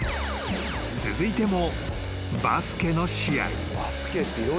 ［続いてもバスケの試合］